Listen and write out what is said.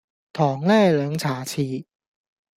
糖呢兩茶匙